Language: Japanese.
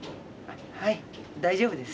はい大丈夫です。